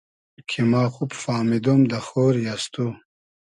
کی ما خوب فامیدۉم دۂ خۉری از تو